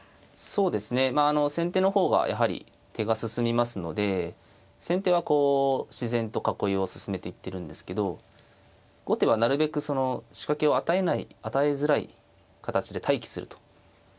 そうですねまあ先手の方がやはり手が進みますので先手はこう自然と囲いを進めていってるんですけど後手はなるべく仕掛けを与えない与えづらい形で待機すると。